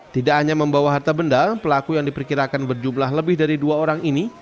tidak hanya membawa harta benda pelaku yang diperkirakan berjumlah lebih dari dua orang ini